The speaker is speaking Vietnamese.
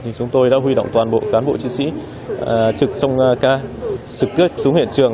chúng tôi đã huy động toàn bộ cán bộ chiến sĩ trực tiếp xuống huyện trường